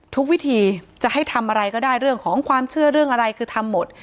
ทุกวิธีจะให้ทำอะไรก็ได้เรื่องของความเชื่อเรื่องอะไรคือทำหมด